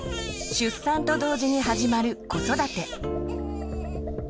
出産と同時に始まる子育て。